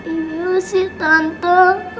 iya sih tante